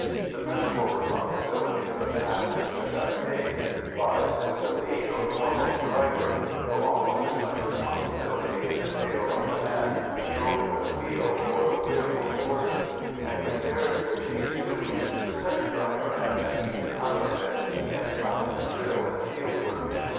The principal responsibility for the path which the gun takes lies with the lead or foremost driver, though almost as much responsibility is entailed on the man controlling the wheel or rearmost horses, and, compared with these two, the centre driver has an easy time of it in mounted drill and field work.